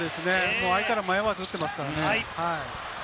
迷わず打っていますからね。